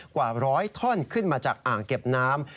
กว่าร้อยท่อนขึ้นมาจากอ่างเก็บน้ำ